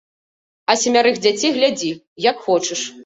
А семярых дзяцей глядзі, як хочаш.